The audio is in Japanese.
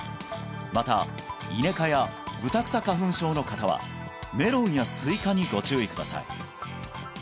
またイネ科やブタクサ花粉症の方はメロンやスイカにご注意ください